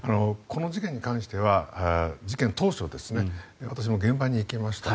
この事件に関しては事件当初私も現場に行きました。